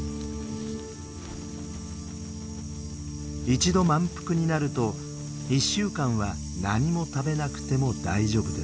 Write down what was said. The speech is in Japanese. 一度満腹になると１週間は何も食べなくても大丈夫です。